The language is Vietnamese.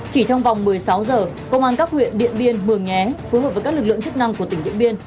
chỉ trong vòng một mươi sáu h công an các huyện điện biên mường nghé phù hợp với các lực lượng chức năng của tỉnh điện biên